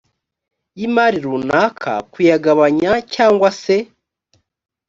y imari runaka kuyagabanya cyangwa se